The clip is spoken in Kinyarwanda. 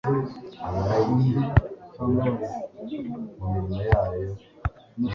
Kuri we byamusubizagamo intege, bikamumara inyota.